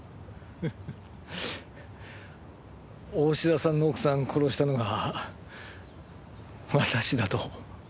大信田さんの奥さん殺したのが私だと？